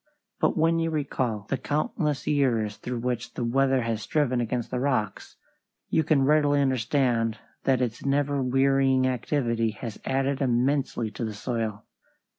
But when you recall the countless years through which the weather has striven against the rocks, you can readily understand that its never wearying activity has added immensely to the soil.